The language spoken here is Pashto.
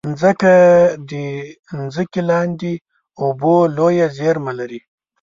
مځکه د ځمکې لاندې اوبو لویې زېرمې لري.